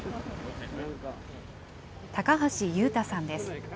高橋悠太さんです。